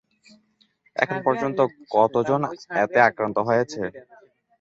এখন পর্যন্ত কতজন এতে আক্রান্ত হয়েছে?